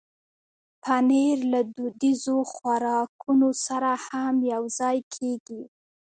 پنېر له دودیزو خوراکونو سره هم یوځای کېږي.